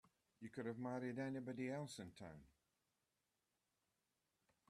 You could have married anybody else in town.